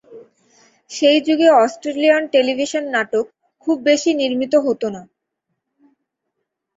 সেই যুগে Australian television নাটক খুব বেশি নির্মিত হত না।